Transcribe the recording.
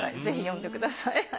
ぜひ読んでください。